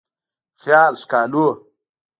د خیال ښکالو